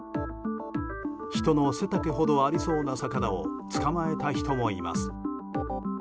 人の背丈ほどもありそうな魚をつかまえた人もいます。